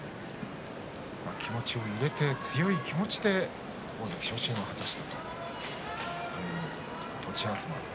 力を入れて強い気持ちで大関昇進を果たしたという栃東。